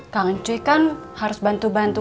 kang cuy kan harus bantu bantu